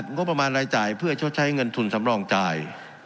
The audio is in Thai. งบประมาณรายจ่ายเพื่อชดใช้เงินทุนสำรองจ่าย